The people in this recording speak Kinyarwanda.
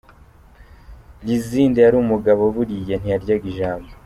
Lizinde yari umugabo buriya, ntiyaryaga ijambo.